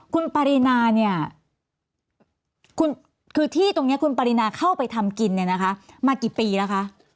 คุณปรินาเนี่ยคือที่ตรงนี้คุณปรินาเข้าไปทำกินเนี่ยนะคะมากี่ปีแล้วคะ